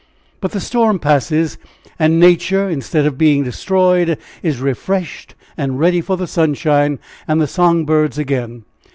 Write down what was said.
But the storm passes, and nature, instead of being destroyed, is refreshed and ready for the sunshine and the song birds again.